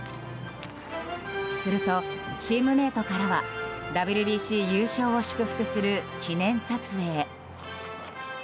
すると、チームメートからはＷＢＣ優勝を祝福する記念撮影。